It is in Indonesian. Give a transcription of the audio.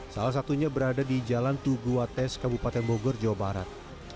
salah satunya berada di jalan tuguates kabupaten bogor jawa barat